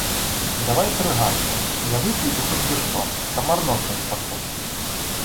Давай тры гарцы, я вып'ю і хоць бы што, камар носу не падточыць!